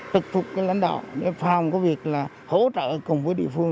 trực thuộc lãnh đạo để phòng có việc hỗ trợ cùng với địa phương